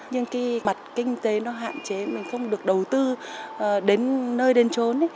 nhưng cái mặt kinh tế nó hạn chế mình không được đầu tư đến nơi đến trốn